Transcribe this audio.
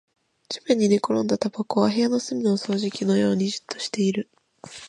地面に寝転んだタバコは部屋の隅の掃除機のようにじっとしている